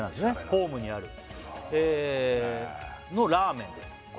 ホームにある「のラーメンです」